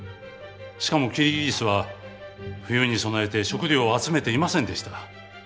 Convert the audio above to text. しかもキリギリスは冬に備えて食料を集めていませんでした。